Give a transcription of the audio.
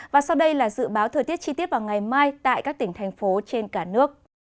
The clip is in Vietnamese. và sau đây là dự báo thời tiết chi tiết vào ngày mai tại các tỉnh thành phố trên cả nước